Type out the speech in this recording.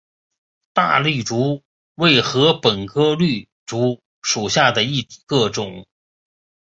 大绿竹为禾本科绿竹属下的一个种。